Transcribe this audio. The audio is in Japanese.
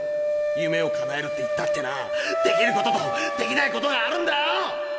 「夢をかなえる」って言ったってなできることとできないことがあるんだよ！